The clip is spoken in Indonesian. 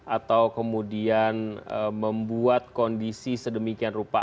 atau kemudian membuat kondisi sedemikian rupa